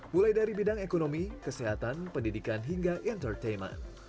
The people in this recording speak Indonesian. mulai dari bidang ekonomi kesehatan pendidikan hingga entertainment